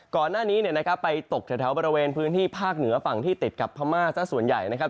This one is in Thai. ก่อนหน้านี้เนี่ยนะครับไปตกแถวบริเวณพื้นที่ภาคเหนือฝั่งที่ติดกับพม่าสักส่วนใหญ่นะครับ